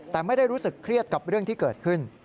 แต่ไม่ได้รู้สึกเครียดกับเรื่องที่เกิดขึ้น